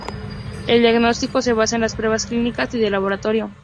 El diagnóstico se basa en las pruebas clínicas y de laboratorio.